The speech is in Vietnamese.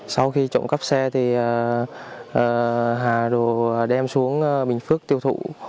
sau khi trộm cắp xe thì hà đồ đem xuống bình phước tiêu thụ